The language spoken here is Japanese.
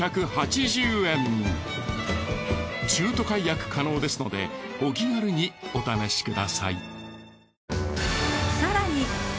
中途解約可能ですのでお気軽にお試しください。